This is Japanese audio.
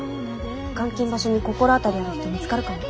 監禁場所に心当たりある人見つかるかも。